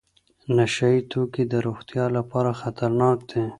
نشه یې توکي د روغتیا لپاره خطرناک دي.